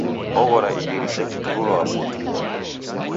Oghora idirisha jiturulwaa putu!